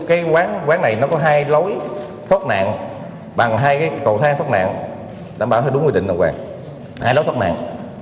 cái quán này nó có hai lối thoát nạn bằng hai cái cầu thang thoát nạn đảm bảo đúng quy định đồng hoàng hai lối thoát nạn